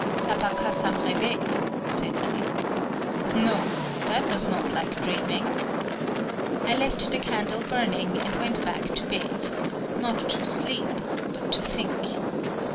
"Ça pa ka sam révé," said Louis. No! that was not like dreaming. I left the candle burning, and went back to bed not to sleep, but to think.